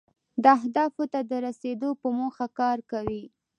دا اهدافو ته د رسیدو په موخه کار کوي.